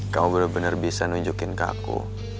kamu bener bener bisa nunjukin ke aku